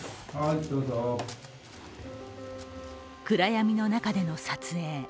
暗闇の中での撮影。